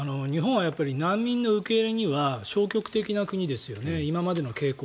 日本は難民の受け入れには消極的な傾向ですよね。